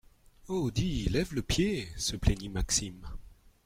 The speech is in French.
Oh, dis, lève le pied, se plaignit Maxime